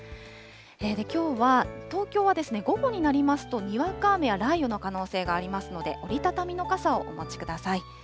きょうは東京は午後になりますと、にわか雨や雷雨の可能性がありますので、折り畳みの傘をお持ちください。